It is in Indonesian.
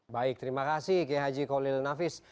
baik terima kasih ki haji kolil nafis